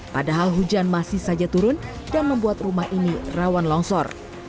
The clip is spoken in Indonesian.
padahal hujan masih saja turun dan membuat rumah ini rawan longsor